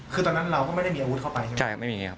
คือว่านัดไปต่อยกันอย่างเดียวครับ